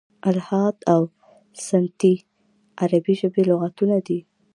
"الحاد او سنتي" عربي ژبي لغتونه دي.